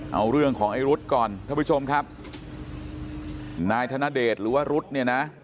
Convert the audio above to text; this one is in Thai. เอาเรื่องของไอ้รุ๊ดก่อนท่านผู้ชมครับนายธนเดชหรือว่ารุ๊ดเนี่ยนะ